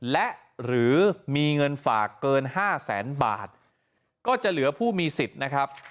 และหรือมีเงินฝากเกิน๕แสนบาทก็จะเหลือผู้มีสิทธิ์นะครับ